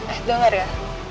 eh denger ya